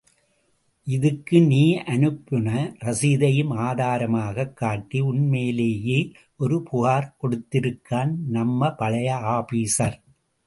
இதுக்கு நீ அனுப்புன ரசீதையும் ஆதாரமாக் காட்டி உன் மேலேயே ஒரு புகார் கொடுத்திருக்கான், நம்ம பழைய ஆபீஸர்.